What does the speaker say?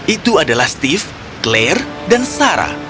itu adalah steve claire dan sarah